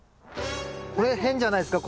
これ変じゃないですか？